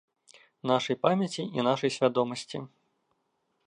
Нашай памяці і нашай свядомасці.